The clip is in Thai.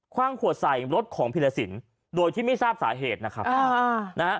คว่างขวดใส่รถของผีลสินโดยที่ไม่ทราบสาเหตุนะครับ